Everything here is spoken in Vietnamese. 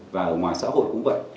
và ở ngoài xã hội cũng vậy